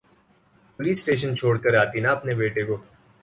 police station چھوڑ کر آتی نا اپنے بیٹے کو